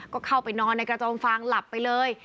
ก็เข้าไปนอนในกระโจมฟางหลับไปเลย